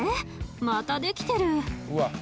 またできてる。